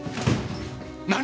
何！？